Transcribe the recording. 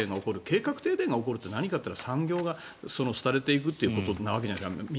計画停電が起こるって何かと言ったら産業が廃れていくということなわけじゃないですか。